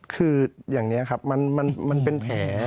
คืออย่างนี้ครับมันเป็นแผล